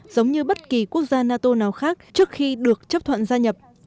giống như bất kỳ quốc gia nato nào khác trước khi được chấp thuận gia nhập